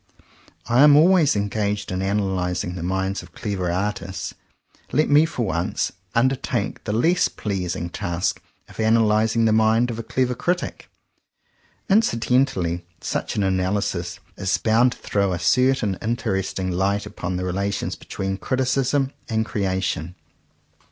I am always engaged in analyzing the minds of clever artists; let me for once, undertake the less pleasing task of analyzing the mind of a clever critic. Incidentally such an analysis is bound to throw a cer tain interesting light upon the relations between criticism and creation.